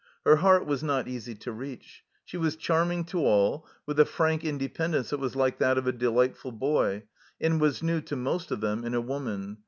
Her heart was not easy to reach. She was charm ing to all, with a frank independence that was like that of a delightful boy, and was new to most of them in a woman.